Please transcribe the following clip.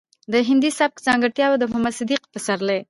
د هندي سبک ځانګړټياوې او د محمد صديق پسرلي